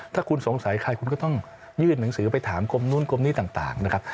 ถ้าคุณสงสัยใครคุณก็ต้องยื่นหนังสือไปถามกรมนู้นกรมนี้ต่างนะครับ